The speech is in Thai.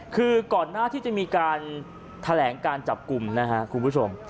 ก่อนหน้าที่จะมีการแถลงการจับกลุ่ม